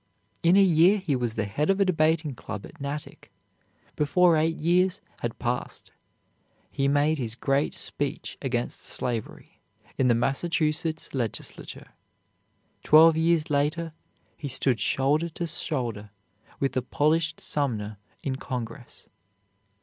In a year he was the head of a debating club at Natick. Before eight years had passed, he made his great speech against slavery, in the Massachusetts Legislature. Twelve years later he stood shoulder to shoulder with the polished Sumner in Congress.